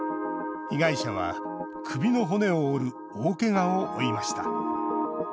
被害者は首の骨を折る大けがを負いました。